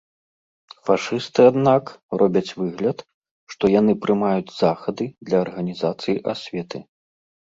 Фашысты, аднак, робяць выгляд, што яны прымаюць захады для арганізацыі асветы.